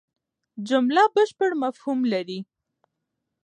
جمله بشپړ مفهوم لري.